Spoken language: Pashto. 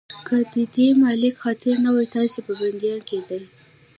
که د دې ملک خاطر نه وای، تاسې به بنديان کېدئ.